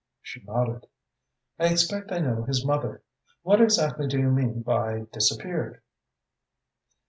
She nodded. "I expect I know his mother. What exactly do you mean by 'disappeared'?"